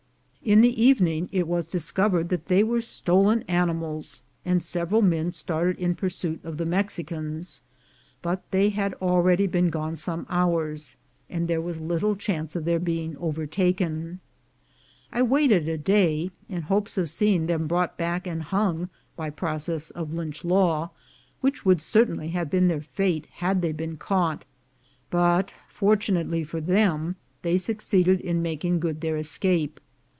In the evening it was discovered that they were stolen animals, and several men started in pursuit of the Mexicans; but they had already been gone some hours, and there was little chance of their being overtaken. I waited a day, in hopes of seeing them brought back and hung by process of Lynch law, which would certainly have been their fate had they been caught; but, fortunately for them, they succeeded in making good their escape.